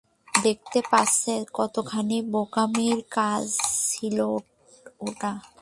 দেখতেই পাচ্ছেন কতখানি বোকামির কাজ ছিল ওটা!